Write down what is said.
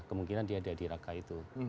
kemungkinan dia ada di raka itu